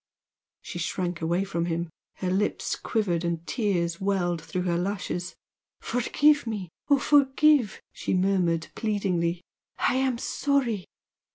She shrank away from him. Her lips quivered, and tears welled through her lashes. "Forgive me! ... oh, forgive!" she murmured, pleadingly "I am sorry!..."